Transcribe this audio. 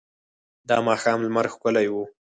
د ماښام لمر ښکلی و.